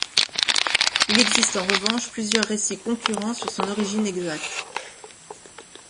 Il existe en revanche plusieurs récits concurrents sur son origine exacte.